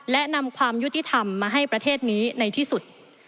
และนำความยุติธรรมมาให้ประเทศนี้ในที่สุด